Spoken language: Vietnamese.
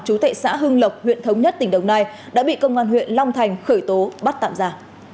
chú tệ xã hưng lộc huyện thống nhất tỉnh đồng nai đã bị công an huyện long thành khởi tố bắt tạm giả